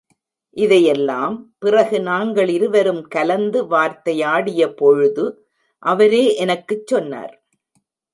இதையெல்லாம், பிறகு நாங்களிருவரும் கலந்து வார்த்தை யாடிய பொழுது, அவரே எனக்குச் சொன்னார்.